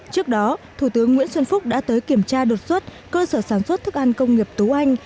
trước đó thủ tướng nguyễn xuân phúc đã tới kiểm tra đột xuất cơ sở sản xuất thức ăn công nghiệp tú anh